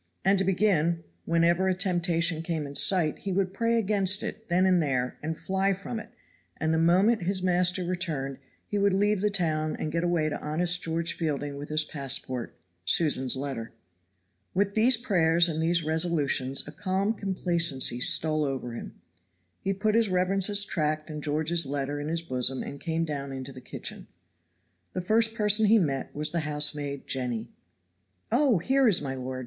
And to begin, whenever a temptation came in sight he would pray against it then and there and fly from it, and the moment his master returned he would leave the town and get away to honest George Fielding with his passport Susan's letter. With these prayers and these resolutions a calm complacency stole over him; he put his reverence's tract and George's letter in his bosom and came down into the kitchen. The first person he met was the housemaid, Jenny. "Oh, here is my lord!"